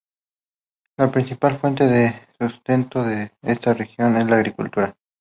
La principal fuente de sustento de esa región es la agricultura.